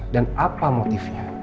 dan apa motifnya